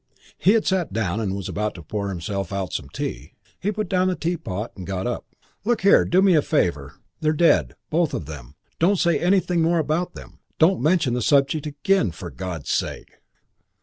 He had sat down and was about to pour himself out some tea. He put down the teapot and got up. "Look here, do me a favour. They're dead, both of them. Don't say anything more about them. Don't mention the subject again. For God's sake."